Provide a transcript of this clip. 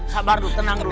sabar dulu tenang dulu